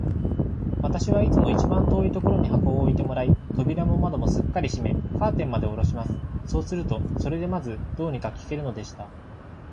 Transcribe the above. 私はいつも一番遠いところに箱を置いてもらい、扉も窓もすっかり閉め、カーテンまでおろします。そうすると、それでまず、どうにか聞けるのでした。